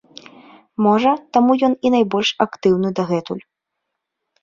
Можа, таму ён і найбольш актыўны дагэтуль.